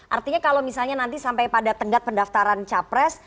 artinya kalau misalnya nanti sampai pada tenggat pendaftaran capres